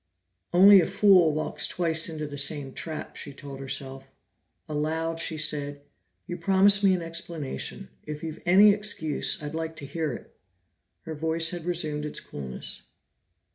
"Only a fool walks twice into the same trap," she told herself. Aloud she said, "You promised me an explanation. If you've any excuse, I'd like to hear it." Her voice had resumed its coolness.